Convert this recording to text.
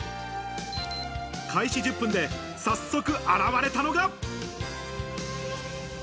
開始１０分で早速現れたのが。